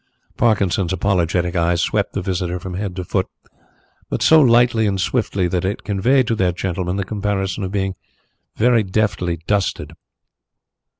Parkinson's apologetic eye swept the visitor from head to foot, but so lightly and swiftly that it conveyed to that gentleman the comparison of being very deftly dusted.